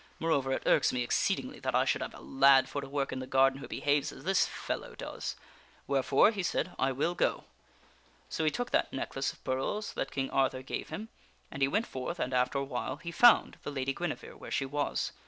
Moreover, it irks me exceedingly that I should have a lad for to work in the garden who behaves as this fellow does. Wherefore," he said, " I will go." So he took that necklace of pearls that King Arthur gave him, and he went forth and, after awhile, he found the Lady Guinevere where she was.